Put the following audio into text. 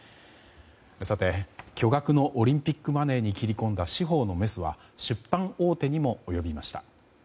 さて、巨額のオリンピックマネーに切り込んだ司法のメスは出版大手にも及びました。